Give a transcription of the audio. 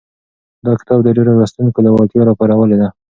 دا کتاب د ډېرو لوستونکو لېوالتیا راپارولې ده.